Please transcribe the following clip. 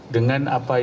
dengan apa yang